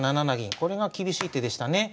これが厳しい手でしたね。